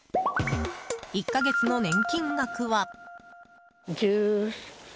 １か月の年金額は。